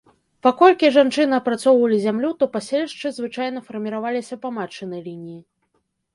Паколькі жанчыны апрацоўвалі зямлю, то паселішчы звычайна фарміраваліся па матчынай лініі.